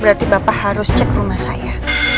berarti bapak harus cek rumah saya